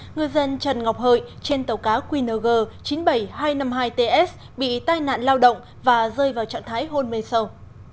ngư dân trần ngọc hợi trên tàu cá qng chín mươi bảy nghìn hai trăm năm mươi hai ts bị tai nạn lao động và rơi vào trạng thái hôn mê sâu